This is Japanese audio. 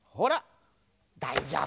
だいじょうぶ。ね？